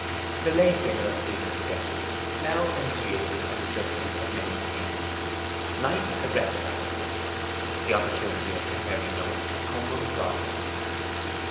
The lay figure of Stephen's sketches now initiated an adjustment of many things. Knight had recognized her. The opportunity of comparing notes had come unsought.